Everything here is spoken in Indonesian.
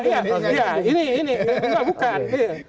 iya ini ini bukan